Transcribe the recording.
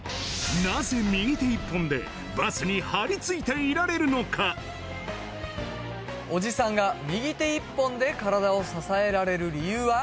なぜ右手一本でバスに貼り付いていられるのかおじさんが右手一本で体を支えられる理由は？